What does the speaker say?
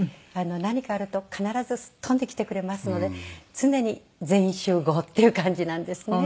何かあると必ずすっ飛んで来てくれますので常に全員集合っていう感じなんですね。